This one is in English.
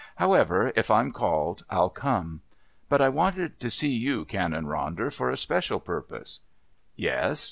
However, if I'm called I'll come. But I wanted to see you, Canon Ronder, for a special purpose." "Yes?"